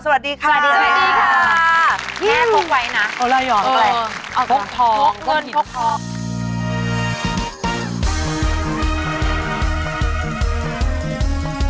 สวัสดีค่ะแม่พกไว้นะ